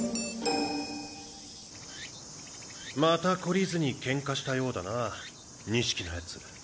また懲りずにケンカしたようだな錦の奴。